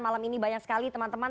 malam ini banyak sekali teman teman